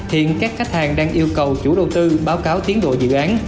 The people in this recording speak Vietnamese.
hiện các khách hàng đang yêu cầu chủ đầu tư báo cáo tiến độ dự án